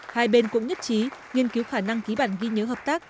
hai bên cũng nhất trí nghiên cứu khả năng ký bản ghi nhớ hợp tác